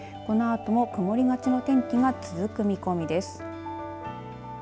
このあとも曇りがちの天気が続く見込みです。